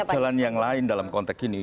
jalan yang lain dalam konteks ini